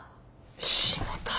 しもた！